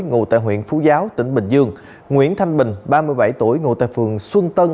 ngụ tại huyện phú giáo tỉnh bình dương nguyễn thanh bình ba mươi bảy tuổi ngụ tại phường xuân tân